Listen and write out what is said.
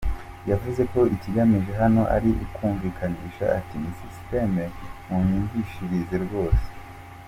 Yavuze ko ikigamijwe hano ari ukumwumvisha ati“ ni system munyumvishirize rwose”!